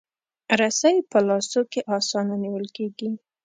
رسۍ په لاسو کې اسانه نیول کېږي.